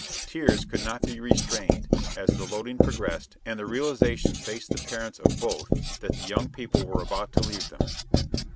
Tears could not be restrained as the loading progressed and the realization faced the parents of both that the young people were about to leave them.